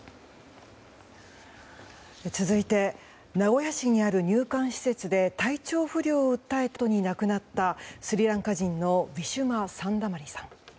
続いて名古屋市にある入管施設で体調不良を訴えたあとに亡くなった、スリランカ人のウィシュマ・サンダマリさん。